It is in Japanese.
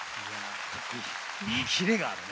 キレがあるね。